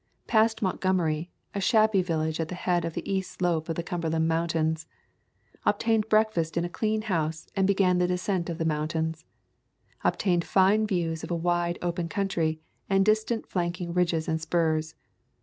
Passed Mont gomery, a shabby village at the head of the east slope of the Cumberland Mountains. Ob tained breakfast in a clean house and began the descent of the mountains. Obtained fine views of a wide, open country, and distant flanking ridges and spurs.